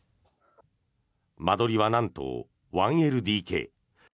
間取りは、なんと１ＬＤＫ。